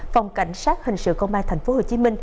phòng cảnh sát hình sự công an tp hcm